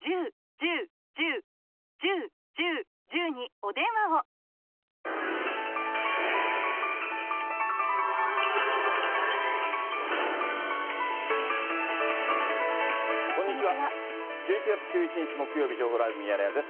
１１月１１日木曜日、情報ライブミヤネ屋です。